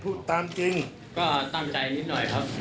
พวกพวกมันคงถึงรักทรัพย์กันแน่ครับ